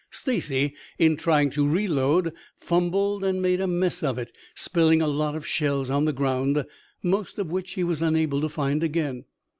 Stacy in trying to reload fumbled and made a mess of it, spilling a lot of shells on the ground, most of which he was unable to find again.